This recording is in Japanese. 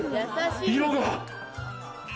色が！